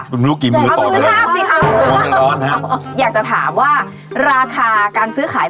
คุณรู้กินมื้อต่อด้วยเอามือทาบสิคะอยากจะถามว่าราคาการซื้อขาย